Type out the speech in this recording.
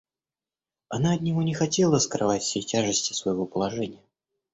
Она от него не хотела скрывать всей тяжести своего положения.